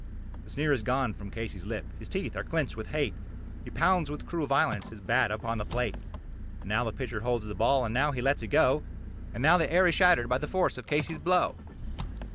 The sneer is gone from Casey's lip; his teeth are clenched with hate, He pounds with cruel violence his bat upon the plate; And now the pitcher holds the ball, and now he lets it go, And now the air is shattered by the force of Casey's blow.